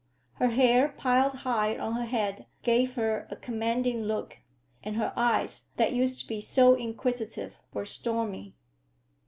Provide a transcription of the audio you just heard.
Her hair, piled high on her head, gave her a commanding look, and her eyes, that used to be so inquisitive, were stormy.